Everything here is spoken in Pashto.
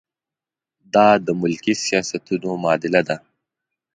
دا د ملکي سیاستونو معادله ده.